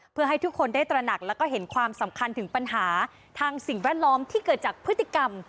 เพื่อให้ทุกคนได้ตระหนักแล้วก็เห็นความสำคัญถึงปัญหาทางสิ่งแวดล้อมที่เกิดจากพฤติกรรม